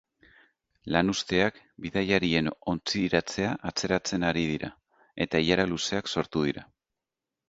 Lanuzteak bidaiarien ontziratzea atzeratzen ari dira, eta ilara luzeak sortu dira.